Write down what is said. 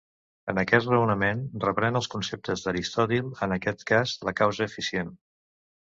En aquest raonament reprèn els conceptes d'Aristòtil, en aquest cas la causa eficient.